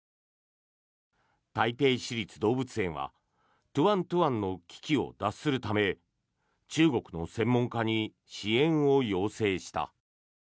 台北市立動物園はトゥアン・トゥアンの危機を脱するため中国の専門家に支援を要請した。